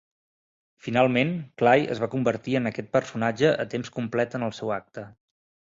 Finalment, Clay es va convertir en aquest personatge a temps complet en el seu acte.